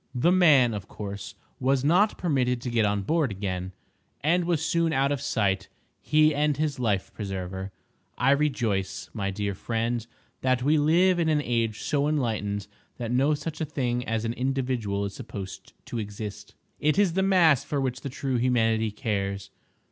The man, of course, was not permitted to get on board again, and was soon out of sight, he and his life preserver. I rejoice, my dear friend, that we live in an age so enlightened that no such a thing as an individual is supposed to exist. It is the mass for which the true Humanity cares.